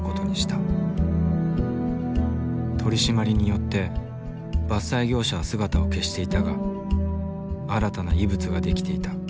取締りによって伐採業者は姿を消していたが新たな異物が出来ていた。